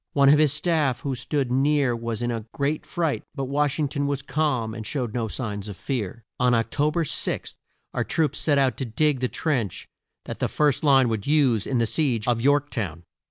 One of his staff who stood near was in a great fright, but Wash ing ton was calm and showed no signs of fear. On Oc to ber 6, our troops set out to dig the trench that the first line would use in the siege of York town.